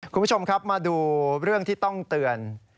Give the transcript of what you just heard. คุณผู้ชมครับมาดูเรื่องที่ต้องเตือน